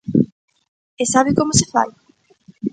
¿E sabe como se fai?